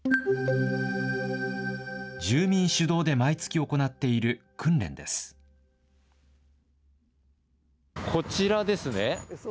住民主導で毎月行っている訓練です。